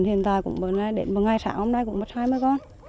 hiện tại đến ngày sáng hôm nay cũng mất hai mươi con